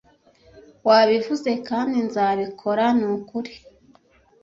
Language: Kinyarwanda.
wabivuze kandi nzabikora ni ukuri